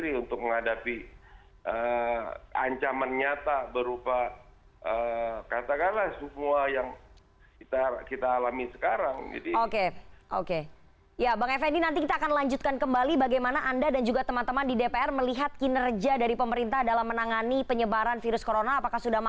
itu kemudian terlihat bahwa mereka